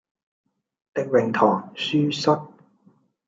力榮堂書室